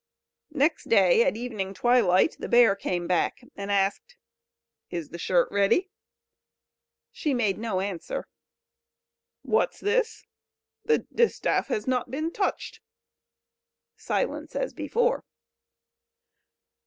Next day, at evening twilight, the bear came back, and asked: "Is the shirt ready?" She made no answer. "What's this? the distaff has not been touched." Silence as before.